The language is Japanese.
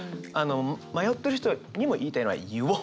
迷ってる人にも言いたいのが「言おう！」。